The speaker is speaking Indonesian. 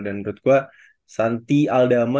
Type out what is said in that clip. dan menurut gua santialdama